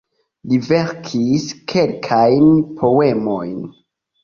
Li verkis kelkajn poemojn.